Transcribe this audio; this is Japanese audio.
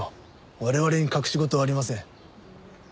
我々に隠し事はありません。